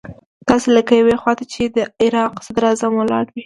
داسې لکه يوې خوا ته چې د عراق صدراعظم ولاړ وي.